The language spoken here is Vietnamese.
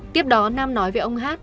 tiếp đó nam nói với ông hát